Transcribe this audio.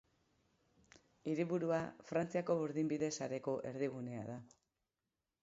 Hiriburua, Frantziako burdinbide sareko erdigunea da.